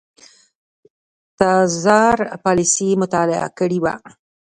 تزار پالیسي مطالعه کړې وه.